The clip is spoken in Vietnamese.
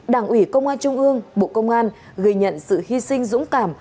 đảng ủy công an trung ương bộ công an ghi nhận sự hy sinh dũng cảm